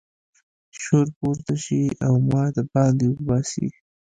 شور پورته شي او ما د باندې وباسي.